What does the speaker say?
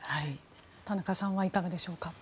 田中さんはいかがでしょうか。